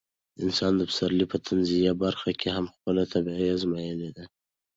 استاد پسرلي په طنزيه برخه کې هم خپله طبع ازمایلې وه.